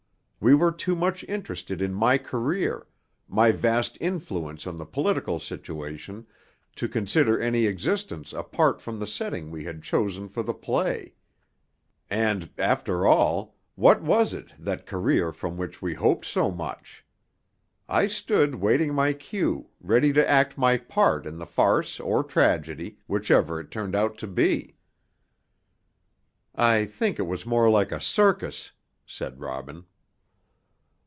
We were too much interested in my career, my vast influence on the political situation, to consider any existence apart from the setting we had chosen for the play. And, after all, what was it, that career from which we hoped so much? I stood waiting my cue, ready to act my part in the farce or tragedy, whichever it turned out to be." "I think it was more like a circus," said Robin.